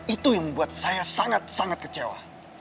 itu yang membuat saya sangat sangat kecewa